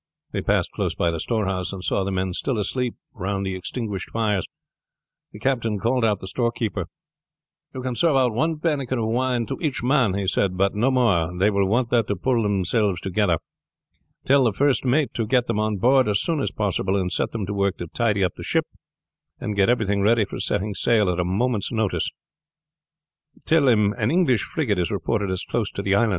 They passed close by the storehouse, and saw the men still asleep round the extinguished fires. The captain called out the storekeeper: "You can serve out one pannikin of wine to each man," he said, "but no more. They will want that to pull them together. Tell the first mate to get them on board as soon as possible, and set them to work to tidy up the ship and get everything ready for setting sail at a moment's notice. Tell him an English frigate is reported as close to the island.